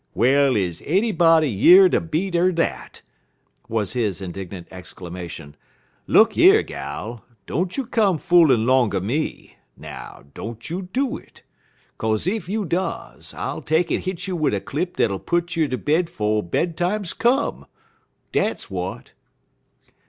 "Well, is anybody year de beat er dat!" was his indignant exclamation. "Look yer, gal! don't you come foolin' 'longer me now, don't you do it. Kaze ef yer does, I'll take'n hit you a clip w'at'll put you ter bed 'fo' bed times come. Dat's w'at!"